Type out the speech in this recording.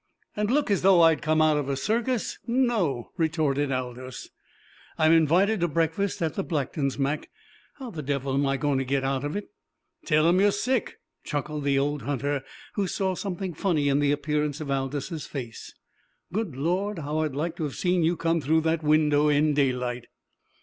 "And look as though I'd come out of a circus no!" retorted Aldous. "I'm invited to breakfast at the Blacktons', Mac. How the devil am I going to get out of it?" "Tell 'em you're sick," chuckled the old hunter, who saw something funny in the appearance of Aldous' face. "Good Lord, how I'd liked to have seen you come through that window in daylight!"